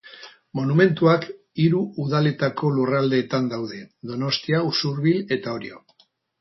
Monumentuak hiru udaletako lurraldetan daude: Donostia, Usurbil eta Orio.